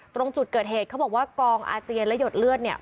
ตรงจุดเกิดเหตุเขาบอกว่ากองอาเจียนและหยดเลือดเนี่ย